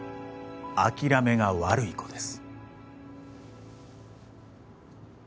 諦めが悪い子です